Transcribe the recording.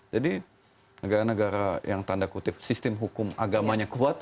jadi negara negara yang tanda kutip sistem hukum agamanya kuat ternyata juga eksploitasi